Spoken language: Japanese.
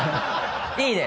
いいね！